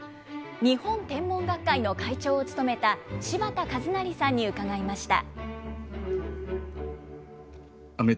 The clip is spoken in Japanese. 日本天文学会の会長を務めた、柴田一成さんに伺いました。